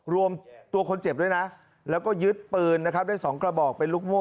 รวมตัวคนเจ็บด้วยนะแล้วก็ยึดปืนนะครับได้๒กระบอกเป็นลูกโม่